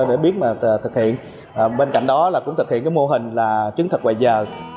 để biết thực hiện bên cạnh đó cũng thực hiện mô hình chứng thực bài giờ